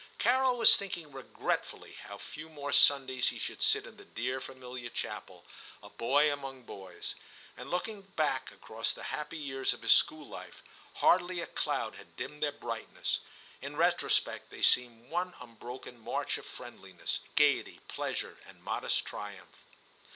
Carol was thinking re gretfully how few more Sundays he should sit in the dear familiar chapel, a boy among boys ; and looking back across the happy years of his school life, — hardly a cloud had dimmed their brightness ;— in retrospect they seemed one unbroken march of friendliness, gaiety, pleasure, and modest triumph.